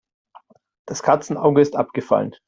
Das Katzenauge ist abgefallen.